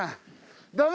ダメ？